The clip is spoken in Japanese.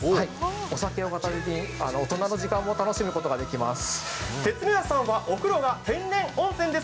お酒を傾けて、大人の時間を楽しむことができます。